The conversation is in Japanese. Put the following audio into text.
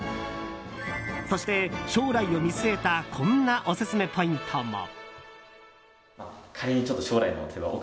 そして将来を見据えたこんなオススメポイントも。